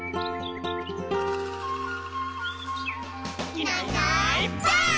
「いないいないばあっ！」